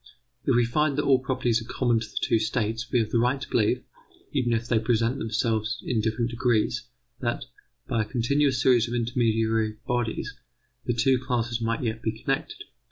If we find that all properties are common to the two states we have the right to believe, even if they presented themselves in different degrees, that, by a continuous series of intermediary bodies, the two classes might yet be connected.